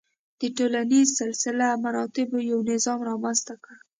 د ټولنیز سلسله مراتبو یو نظام رامنځته کړ.